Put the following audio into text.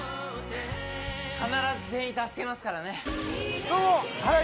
「必ず全員助けますからね」